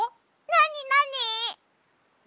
なになに？